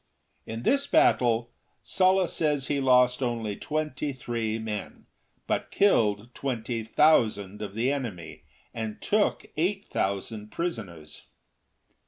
In this battle Sulla says he lost only twenty three men, but killed twenty thousand of the enemy, and took eight thousand prisoners.